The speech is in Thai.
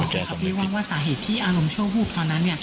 ไม่ว่างว่าสาเหตุที่อารมณ์ชั่ววูบตอนนั้น